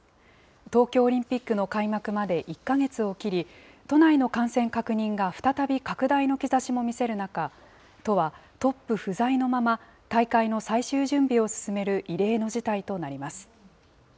東京オリンピックの開幕まで１か月を切り、都内の感染確認が再び拡大の兆しも見せる中、都はトップ不在のまま、大会の最終準備を進める異例の事態となります。